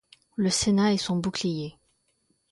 Le sénat est son bouclier.